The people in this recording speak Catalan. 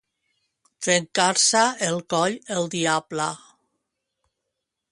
Trencar-se el coll el diable.